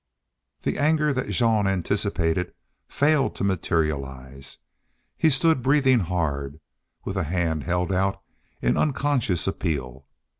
The anger that Jean anticipated failed to materialize. He stood, breathing hard, with a hand held out in unconscious appeal.